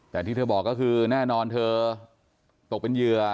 แต่ที่เธอบอกก็คือแน่นอนเธอตกเป็นเหยื่อ